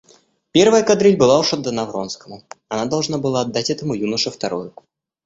Первая кадриль была уж отдана Вронскому, она должна была отдать этому юноше вторую.